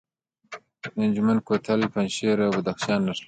د انجمین کوتل پنجشیر او بدخشان نښلوي